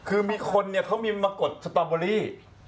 คือมีคนเขามีมากดสตอบโบรี่